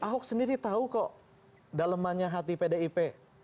ahok sendiri tahu kok dalemannya hati pdip